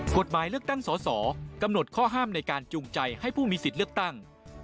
กฎหมายเลือกตั้งสอสอกำหนดข้อห้ามในการจูงใจให้ผู้มีสิทธิ์เลือกตั้ง